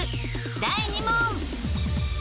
第２問。